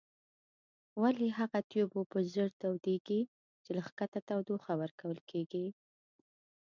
ولې هغه تیوب اوبه ژر تودیږي چې له ښکته تودوخه ورکول کیږي؟